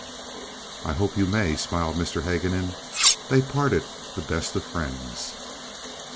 "I hope you may," smiled Mr. Haguenin. They parted the best of friends.